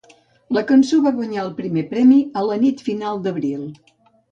La cançó va guanyar el primer premi a la nit final d'abril.